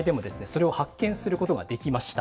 それを発見することができました。